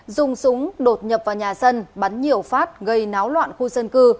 dùng súng đột nhập vào nhà sân bắn nhiều phát gây náo loạn khu sân cư